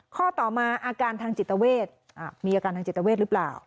ข้อต่อมาอาการทางจิตเวทมีอาการทางจิตเวทหรือเปล่า